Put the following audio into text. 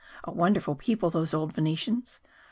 A wonderful people, those old Venetians!